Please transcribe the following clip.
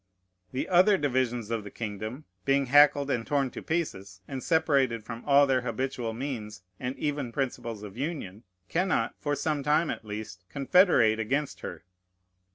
The other divisions of the kingdom, being hackled and torn to pieces, and separated from all their habitual means and even principles of union, cannot, for some time at least, confederate against her.